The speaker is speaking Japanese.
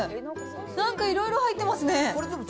なんかいろいろ入ってますね。